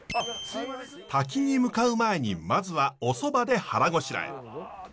滝に向かう前にまずはおそばで腹ごしらえ。